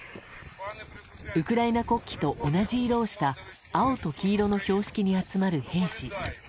ウクライナ国旗と同じ色をした青と黄色の標識に集まる兵士。